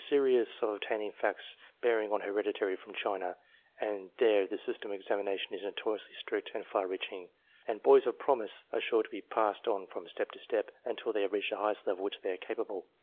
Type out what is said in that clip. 324 COMPARISON OF RESULTS I was desirous of obtaining facts bearing on heredity from China, for there the system of examination is noto riously strict and far reaching, and boys of promise are sure to be passed on from step to step, until they have reached the highest level of which they are capable.